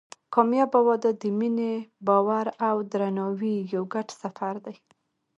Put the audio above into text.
کامیابه واده د مینې، باور او درناوي یو ګډ سفر دی.